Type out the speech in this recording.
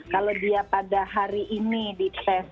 kalau dia pada hari ini dites